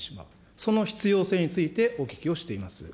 その必要性について、お聞きをしています。